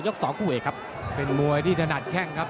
ยก๒กู่เอกครับ